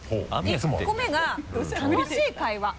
１個目が楽しい会話。